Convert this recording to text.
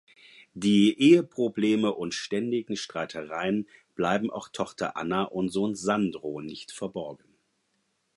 Die Eheprobleme und ständigen Streitereien bleiben auch Tochter Anna und Sohn Sandro nicht verborgen.